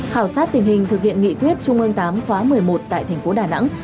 khảo sát tình hình thực hiện nghị quyết trung ương tám khóa một mươi một tại thành phố đà nẵng